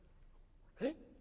「えっ！？」。